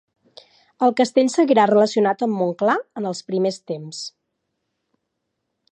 El castell seguirà relacionat amb Montclar en els primers temps.